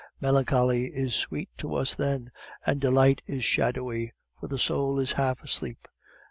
Melancholy is sweet to us then, and delight is shadowy, for the soul is half asleep.